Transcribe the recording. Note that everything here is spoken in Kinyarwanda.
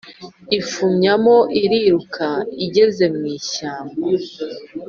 ifumyamo iriruka, igeze mu ishyamba